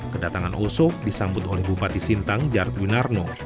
kedatangan osok disambut oleh bupati sintang jardwin arno